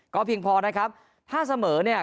ก็เพียงพอนะครับถ้าเสมอเนี่ย